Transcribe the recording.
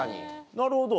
なるほど。